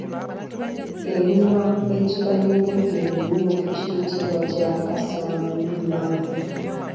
Emimwa egiba n’emigo emimyufu giyitibwa gya kasamamya.